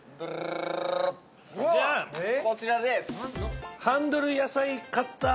こちらです